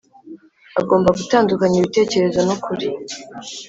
Agomba gutandukanya ibitekerezo n ukuri